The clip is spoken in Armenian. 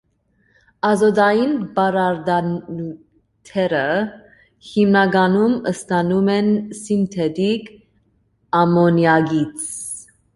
Ազոտային պարարտանյութերը հիմնականում ստանում են սինթետիկ ամոնիակից։